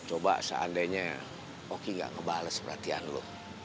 coba seandainya oki gak ngebales perhatian lo